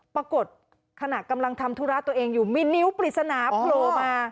ปรากฏขณะกำลังทำธุระตัวเองอยู่มีนิ้วปริศนาโผล่มา